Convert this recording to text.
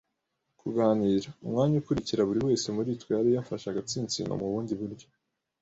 kuganira. Umwanya ukurikira buri wese muri twe yari yafashe agatsinsino mu bundi buryo